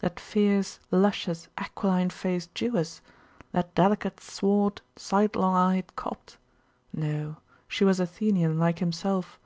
That fierce, luscious, aquiline faced Jewess? That delicate, swart, sidelong eyed Copt? No. She was Athenian, like himself.